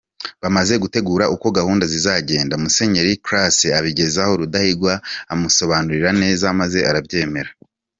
Bamaze gutegura uko gahunda zizagenda, Musenyeri Classe abigezaho Rudahigwa, abimusobanurira neza maze arabyemera.